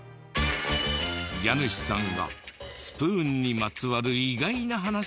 家主さんがスプーンにまつわる意外な話を教えてくれた。